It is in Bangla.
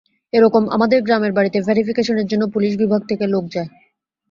এরপর আমাদের গ্রামের বাড়িতে ভেরিফিকেশনের জন্য পুলিশ বিভাগ থেকে লোক যায়।